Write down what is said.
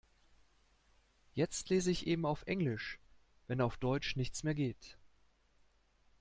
Jetzt lese ich eben auf Englisch, wenn auf Deutsch nichts mehr geht.